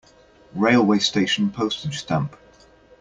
Railway station Postage stamp.